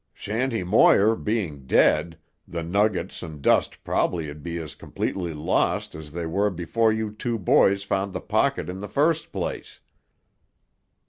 Shanty Moir being dead, the nuggets and dust probably'd be as completely lost as they were before you two boys found the pocket in the first place."